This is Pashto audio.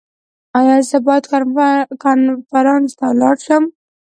ایا زه باید کنفرانس ته لاړ شم؟